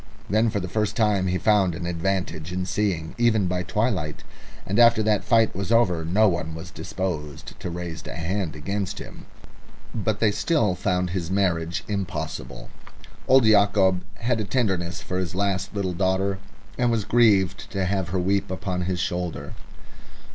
Then for the first time he found an advantage in seeing, even by twilight, and after that fight was over no one was disposed to raise a hand against him. But they still found his marriage impossible. Old Yacob had a tenderness for his last little daughter, and was grieved to have her weep upon his shoulder.